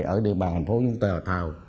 ở địa bàn thành phố vũng tàu